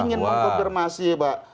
ingin mengkonfirmasi pak